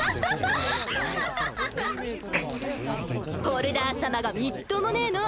ホルダー様がみっともねぇの。